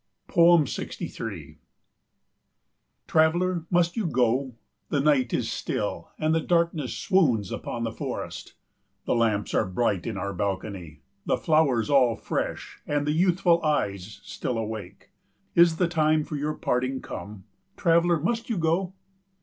63 Traveller, must you go? The night is still and the darkness swoons upon the forest. The lamps are bright in our balcony, the flowers all fresh, and the youthful eyes still awake. Is the time for your parting come? Traveller, must you go?